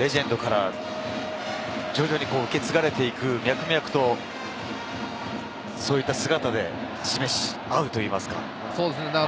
レジェンドから徐々に受け継がれていく、そういった姿で示し合うといいますか。